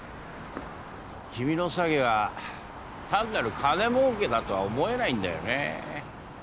君の詐欺は単なる金儲けだとは思えないんだよねえ